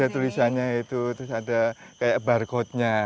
ada tulisannya itu terus ada kayak barcode nya